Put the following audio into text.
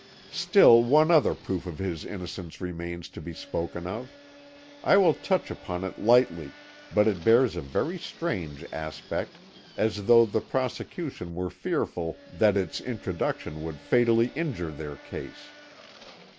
"Still one other proof of his innocence remains to be spoken of; I will touch upon it lightly, but it bears a very strange aspect, as though the prosecution were fearful that its introduction would fatally injure their case.